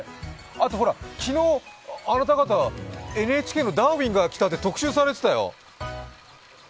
あと昨日、あなた方、ＮＨＫの「ダーウィンが来た」で特集されてたよ。